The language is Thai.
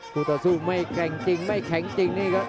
ต่อสู้ไม่แกร่งจริงไม่แข็งจริงนี่ครับ